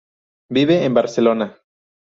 Vive en Barcelona.